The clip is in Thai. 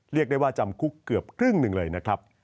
เรียกได้ว่าจำคุกเกือบครึ่งหนึ่งเลยนะครับ